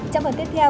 trong phần tiếp theo